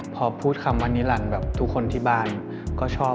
พอพูดคำว่านิรันดิ์แบบทุกคนที่บ้านก็ชอบ